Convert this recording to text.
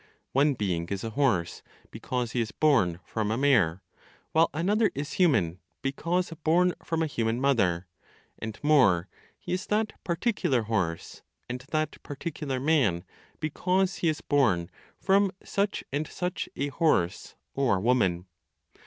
One being is a horse because he is born from a mare, while another is human, because born from a human mother; and more: he is that particular horse, and that particular man because he is born from such and such a horse, or woman.